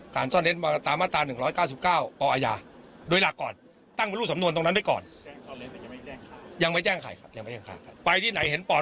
การซ่อนเร้นจะมาตามตามตาหนึ่งร้อยเก้าสศวรรภ์ปะอย่าด้วยหลักก่อนตั้งเป็นหลูกสำนวนตรงนั้นไปก่อน